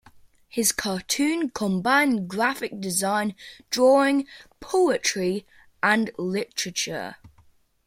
His cartoons combine graphic design, drawing, poetry and literature.